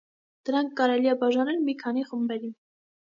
Դրանք կարելի է բաժանել մի քանի խմբերի։